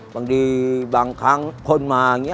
บางทีบางครั้งพ่นมาอย่างนี้